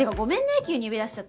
急に呼び出しちゃって。